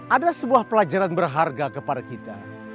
ada sebuah pelajaran berharga kepada kita